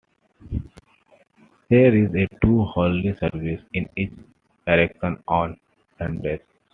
There is a two hourly service in each direction on Sundays.